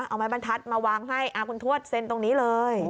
เอาไม้บรรทัศน์มาวางให้คุณทวดเซ็นตรงนี้เลย